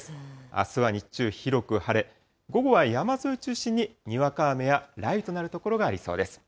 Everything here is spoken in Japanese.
あすは日中、広く晴れ、午後は山沿いを中心ににわか雨や雷雨となる所がありそうです。